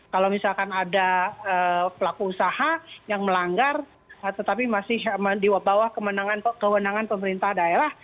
kalau misalkan ada pelaku usaha yang melanggar tetapi masih di bawah kewenangan pemerintah daerah